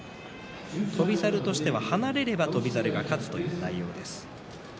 翔猿としては離れれば翔猿が勝つという内容です。